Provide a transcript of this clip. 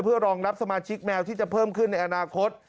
เพื่อรองรับสมาชิกแมวที่จะเพิ่มขึ้นในอนาคต